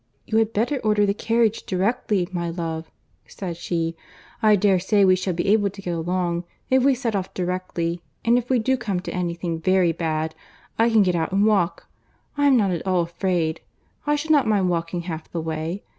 "You had better order the carriage directly, my love," said she; "I dare say we shall be able to get along, if we set off directly; and if we do come to any thing very bad, I can get out and walk. I am not at all afraid. I should not mind walking half the way.